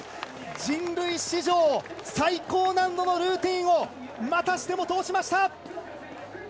人類史上最高難度のルーティンをまたしても通しました！